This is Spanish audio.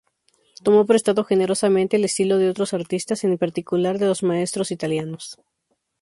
Tomó prestado generosamente el estilo de otros artistas, en particular de los maestros italianos.